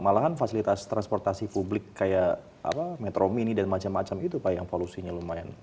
malahan fasilitas transportasi publik kayak metro mini dan macam macam itu pak yang polusinya lumayan